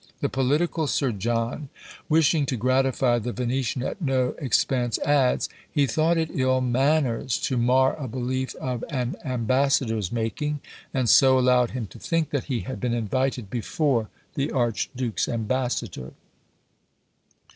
The political Sir John, wishing to gratify the Venetian at no expense, adds, "he thought it ill manners to mar a belief of an ambassador's making," and so allowed him to think that he had been invited before the archduke's ambassador!